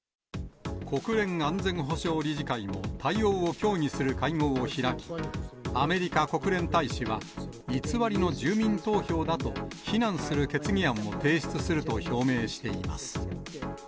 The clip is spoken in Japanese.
国連安全保障理事会も対応を協議する会合を開き、アメリカ国連大使は、偽りの住民投票だと非難する決議案を提出すると表明しています。